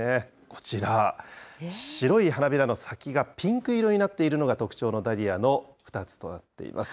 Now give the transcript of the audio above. こちら、白い花びらの先がピンク色になっているのが特徴のダリアの２つとなっています。